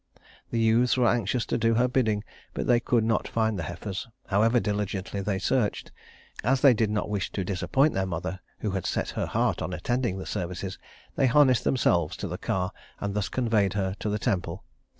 The youths were anxious to do her bidding; but they could not find the heifers, however diligently they searched. As they did not wish to disappoint their mother who had set her heart on attending the services, they harnessed themselves to the car, and thus conveyed her to the temple.